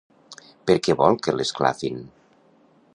Per què vol que l'esclafin?